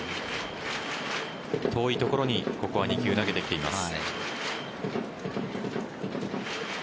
遠いところにここは２球、投げてきています。